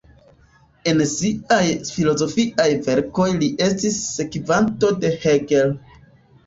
En siaj filozofiaj verkoj li estis sekvanto de Hegel.